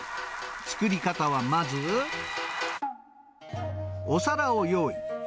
作り方はまず、お皿を用意。